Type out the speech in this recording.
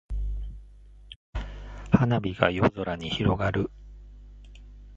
花火が夜空に広がる。